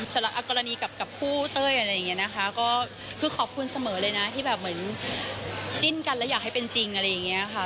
สำหรับกรณีกับคู่เต้ยอะไรอย่างนี้นะคะก็คือขอบคุณเสมอเลยนะที่แบบเหมือนจิ้นกันแล้วอยากให้เป็นจริงอะไรอย่างนี้ค่ะ